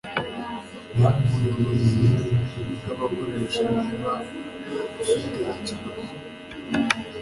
Reba Ubuyobozi bw'abakoresha niba ufite ibibazo